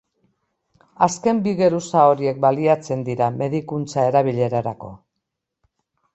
Azken bi geruza horiek baliatzen dira medikuntza-erabilerarako.